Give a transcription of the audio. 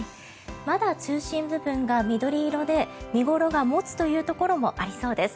まだ中心部分が緑色で見頃が持つというところもありそうです。